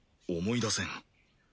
思い出せん。